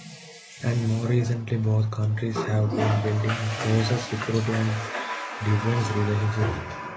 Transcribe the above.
And more recently, both countries have been building a closer security and defense relationship.